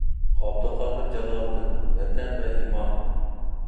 ئابدۇقادىر جالالىدىن: «ۋەتەن ۋە ئىمان»